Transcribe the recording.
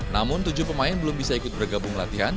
namun tujuh pemain belum bisa ikut bergabung latihan